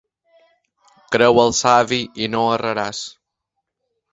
Creu el savi i no erraràs.